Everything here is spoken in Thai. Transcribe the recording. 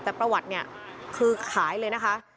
แต่ประวัติเนี่ยคือขายเลยนะคะ